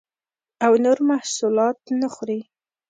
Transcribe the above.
او نور محصولات نه خوري